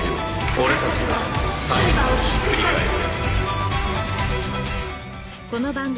「俺達が裁判をひっくり返す！」